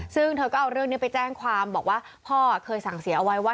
ซึ่งเธอก็เอาเรื่องนี้ไปแจ้งความบอกว่าพ่อเคยสั่งเสียเอาไว้ว่า